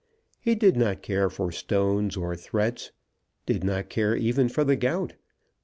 He did not care for stones or threats, did not care even for the gout.